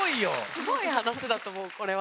すごいいい話だと思うこれは。